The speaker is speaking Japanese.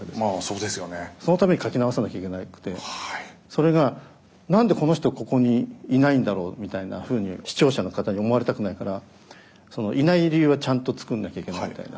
それが何でこの人ここにいないんだろうみたいなふうに視聴者の方に思われたくないからいない理由はちゃんと作んなきゃいけないみたいな。